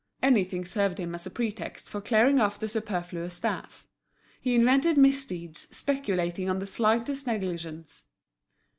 Anything served him as a pretext for clearing off the superfluous staff. He invented misdeeds, speculating on the slightest negligence.